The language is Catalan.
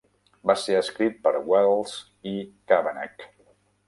Va ser escrit per Welsh i Cavanagh.